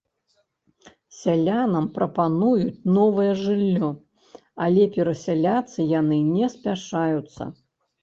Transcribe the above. Сялянам прапануюць новае жыллё, але перасяляцца яны не спяшаюцца.